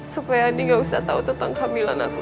supaya andi gak usah tau tentang kehamilan aku